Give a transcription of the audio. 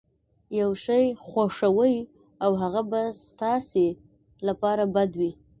يو شی خوښوئ او هغه به ستاسې لپاره بد وي.